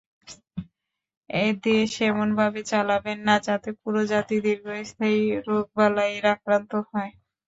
দেশ এমনভাবে চালাবেন না, যাতে পুরো জাতি দীর্ঘস্থায়ী রোগবালাইেয় আক্রান্ত হয়।